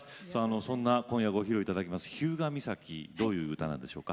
そんな今夜ご披露いただきます「日向岬」どういう歌なんでしょうか。